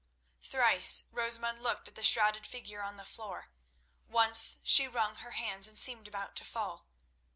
Thrice Rosamund looked at the shrouded figure on the floor; once she wrung her hands and seemed about to fall.